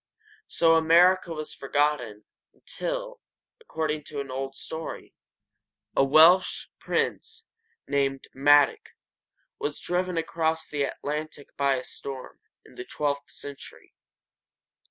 So America was forgotten until, according to an old story, a Welsh prince named Mad´oc was driven across the Atlantic by a storm, in the twelfth century.